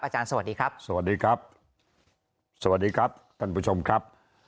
อาจารย์สวัสดีครับสวัสดีครับสวัสดีครับท่านผู้ชมครับ